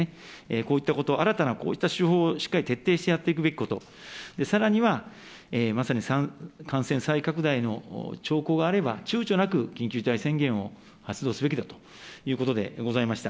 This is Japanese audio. こういったこと、新たなこういった手法をしっかり徹底してやっていくこと、さらにはまさに感染再拡大の兆候があれば、ちゅうちょなく緊急事態宣言を発動すべきだということでございました。